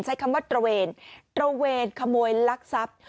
ใช้คำว่าตระเวนตระเวนขโมยลักทรัพย์